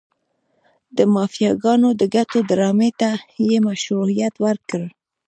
د مافیاګانو د ګټو ډرامې ته یې مشروعیت ورکړ.